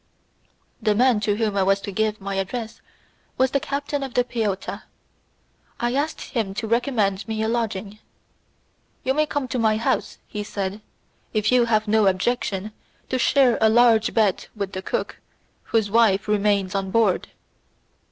The man to whom I was to give my address was the captain of the peotta. I asked him to recommend me a lodging. "You can come to my house," he said, "if you have no objection to share a large bed with the cook, whose wife remains on board."